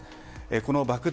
この爆弾